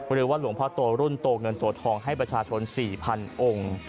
หรือว่าหลวงพ่อโตรุ่นโตเงินตัวทองให้ประชาชน๔๐๐๐องค์